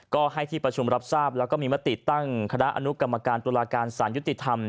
ก็ให้ที่ประชุมรับทราบแล้วก็มีมติตั้งคณะอนุกรรมการตุลาการสารยุติธรรม